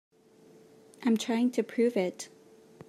I'm trying to prove it.